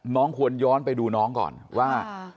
น้องควรย้อนไปดูน้องก่อนว่า